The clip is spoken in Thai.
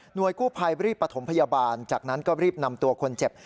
โดยกู้ภัยรีบประถมพยาบาลจากนั้นก็รีบนำตัวคนเจ็บ